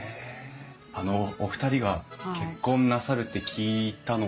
あのお二人が結婚なさるって聞いたのは？